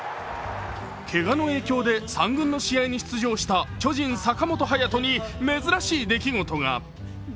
けがの影響で３軍の試合に出場した巨人・坂本勇人に珍しい出来事が。